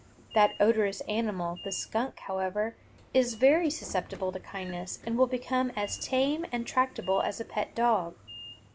That odorous animal, the skunk, however, is very susceptible to kindness, and will become as tame and tractable as a pet dog.